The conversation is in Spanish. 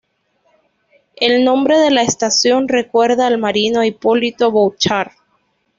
El nombre de la estación recuerda al marino Hipólito Bouchard.